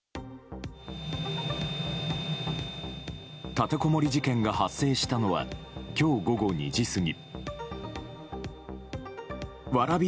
立てこもり事件が発生したのは今日午後２時過ぎ。